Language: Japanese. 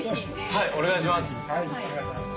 はいお願いします。